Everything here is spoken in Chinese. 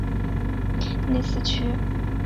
内斯屈。